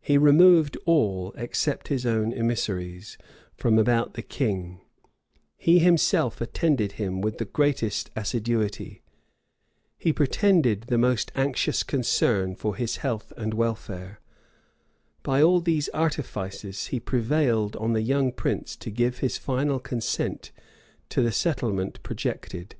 He removed all, except his own emissaries, from about the king; he himself attended him with the greatest assiduity: he pretended the most anxious concern for his health and welfare; and by all these artifices he prevailed on the young prince to give his final consent to the settlement projected.